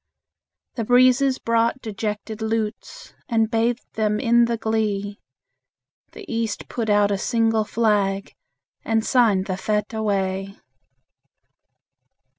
The breezes brought dejected lutes, And bathed them in the glee; The East put out a single flag, And signed the fete away.